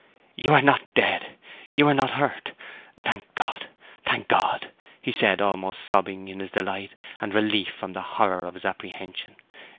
"You are not dead!—you are not hurt! Thank God—thank God!" he said, almost sobbing in his delight and relief from the horror of his apprehension.